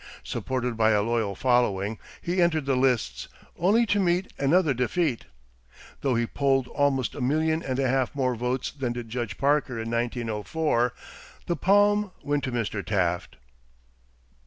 Supported by a loyal following, he entered the lists, only to meet another defeat. Though he polled almost a million and a half more votes than did Judge Parker in 1904, the palm went to Mr. Taft.